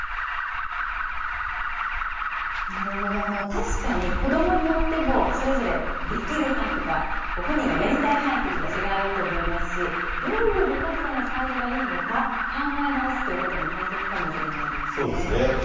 確かに子どもによっても、それぞれできる範囲とか、本人がやりたい範囲っていうのは違うと思いますし、どういう部活動のサイズがいいのか考え直すということも大切かもそうですね。